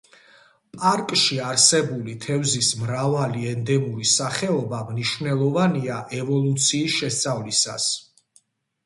პარკში არსებული თევზის მრავალი ენდემური სახეობა მნიშვნელოვანია ევოლუციის შესწავლისას.